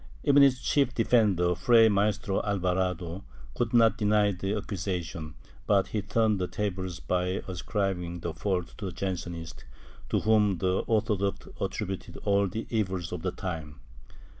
Even its chief defender. Fray Maestro Alvarado, could not deny the accusation, but, he turned the tables by ascribing the fault to the Jansenists, to whom the orthodox attributed all the evils of the time.